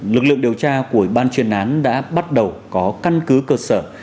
lực lượng điều tra của ban chuyên án đã bắt đầu có căn cứ cơ sở